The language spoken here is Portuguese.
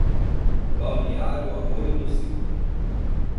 Balneário Arroio do Silva